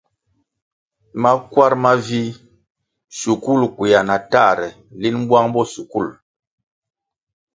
Makwar mavih, shukul kwea na tahre linʼ bwang bo shukul.